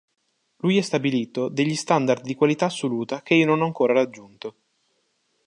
Lui ha stabilito degli standard di qualità assoluta che io non ho ancora raggiunto.